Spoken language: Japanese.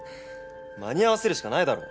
間に合わせるしかないだろ。